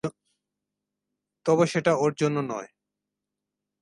তবে সেটা ওর জন্য নয়।